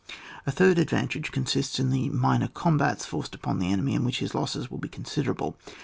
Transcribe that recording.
A third advantage consists in the minor combats forced upon the enemy in which his losses will be considerable.